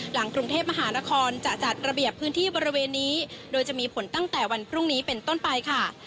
หลังกรุงเทพมหานครจะจัดระเบียบพื้นที่บริเวณนี้โดยจะมีผลตั้งแต่วันพรุ่งนี้เป็นต้นไปค่ะ